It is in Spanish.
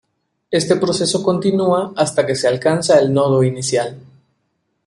Este proceso continúa hasta que se alcanza el nodo inicial.